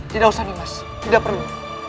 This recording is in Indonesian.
tidak usah nih mas tidak perlu